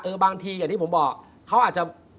บางทีอย่างที่ผมบอกเขาอาจจะ